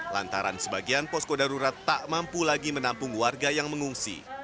lantaran sebagian posko darurat tak mampu lagi menampung warga yang mengungsi